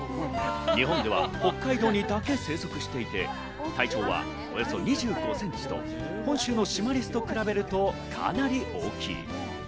日本では北海道にだけ生息していて体長はおよそ２５センチと、本州のシマリスと比べるとかなり大きい。